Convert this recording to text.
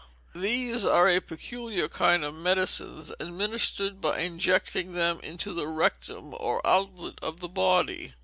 These are a peculiar kind of medicines, administered by injecting them into the rectum or outlet of the body.